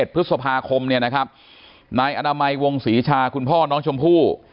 พฤษภาคมเนี่ยนะครับนายอนามัยวงศรีชาคุณพ่อน้องชมพู่